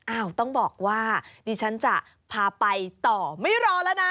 อ้าวต้องบอกว่าดิฉันจะพาไปต่อไม่รอแล้วนะ